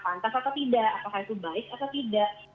pantas atau tidak apakah itu baik atau tidak